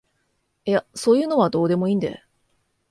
いやそういうのはどうでもいいんで